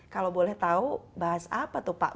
kalau boleh tahu bahas apa tuh pak